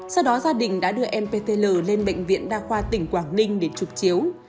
sau đó gia đình đã đưa em ptl lên bệnh viện đa khoa tỉnh quảng ninh để trục chiếu